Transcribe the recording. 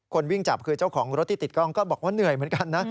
วิ่งจับคือเจ้าของรถที่ติดกล้องก็บอกว่าเหนื่อยเหมือนกันนะ